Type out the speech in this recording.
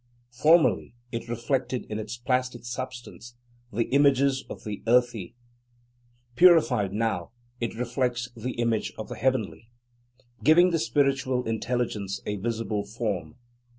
Formerly, it reflected in its plastic substance the images of the earthy; purified now, it reflects the image of the heavenly, giving the spiritual intelligence a visible form.